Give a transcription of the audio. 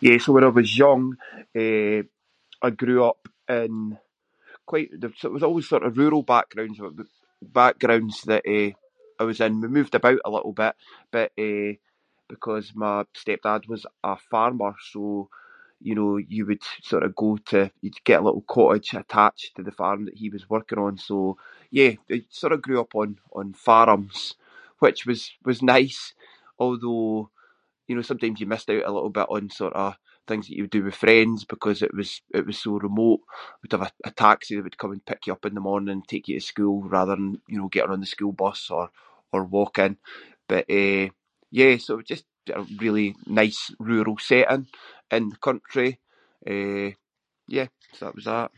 Yeah, so when I was young, eh, I grew up in quite th- so it was always sort of rural background [inc] backgrounds that, eh, I was in. We moved about a little bit but, eh, because my stepdad was a farmer, so, you know, you would sort of go to- you’d get a little cottage attached to the farm that he was working on, so- yeah, it- sort of grew up on- on farms which was- was nice, although, you know, sometimes you missed out a little bit on sort of things that you would do with friends because it was- it was so remote. We’d have a- a taxi that would come and pick you up in the morning and take you to school rather than, you know, getting a run on the school bus or walking. But eh, yeah, so it was just a really nice rural setting in the country, eh, yeah, so that was that.